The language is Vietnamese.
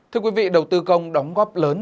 thưa quý vị đầu tư công đóng góp lớn